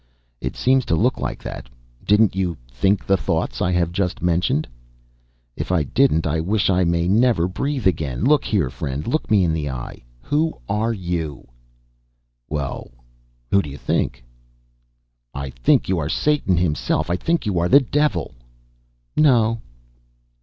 "It seems to look like that. Didn't you think the thoughts I have just mentioned?" "If I didn't, I wish I may never breathe again! Look here, friend look me in the eye. Who are you?" "Well, who do you think?" "I think you are Satan himself. I think you are the devil." "No."